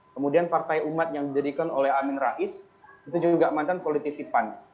kemudian partai umat yang didirikan oleh amin rais itu juga mantan politisi pan